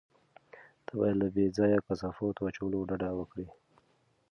ته باید له بې ځایه کثافاتو اچولو ډډه وکړې.